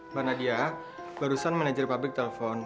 mbak nadia barusan manajer pabrik telpon